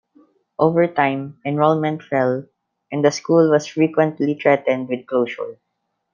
Over time enrollment fell, and the school was frequently threatened with closure.